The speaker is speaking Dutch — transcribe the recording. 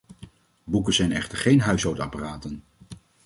Boeken zijn echter geen huishoudapparaten.